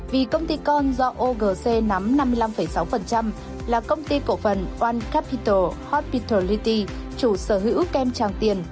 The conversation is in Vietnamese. vì công ty con do ogc nắm năm mươi năm sáu là công ty cổ phần one capital hospitality chủ sở hữu kem trang tiền